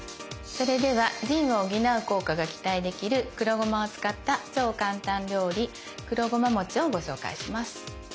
それでは腎を補う効果が期待できる黒ごまを使った超簡単料理「黒ごま餅」をご紹介します。